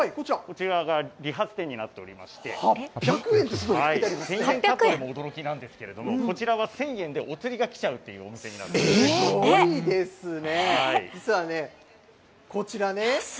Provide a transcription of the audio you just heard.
まずはこちらなんですけれどこちらが理髪店になっておりまして１０００カットでも驚きなんですけれどこちらは１０００円でお釣りが来ちゃうすごいですね。